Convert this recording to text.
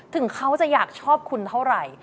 ถึงเขาจะอยากชอบคุณเท่าไหร่